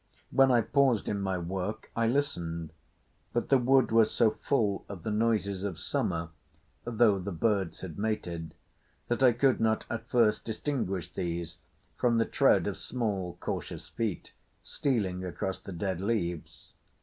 When I paused in my work I listened, but the wood was so full of the noises of summer (though the birds had mated) that I could not at first distinguish these from the tread of small cautious feet stealing across the dead leaves.